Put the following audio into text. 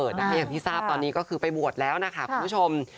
อย่างที่ทราบตอนนี้ก็คือไปบวชแล้วนะคะคุณผู้ชม